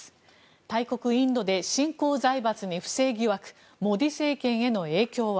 大国インドで新興財閥に不正疑惑モディ政権への影響は？